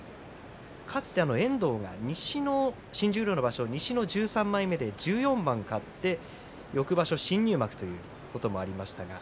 かつて遠藤が西の新十両の場所で１３枚目で１４番勝って翌場所新入幕ということがありました。